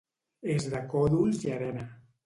És de còdols i arena.